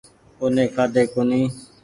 او ني کآۮي ڪونيٚ